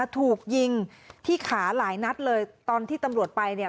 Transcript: ถูกยิงที่ขาหลายนัดเลยตอนที่ตำรวจไปเนี่ย